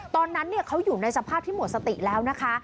ตอนนั้นเขาอยู่ในสภาพที่หมดสติแล้วนะคะ